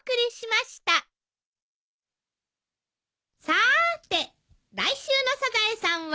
さーて来週の『サザエさん』は？